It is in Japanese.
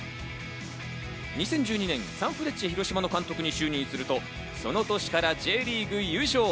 ２０１２年、サンフレッチェ広島の監督に就任すると、その年からＪリーグ優勝。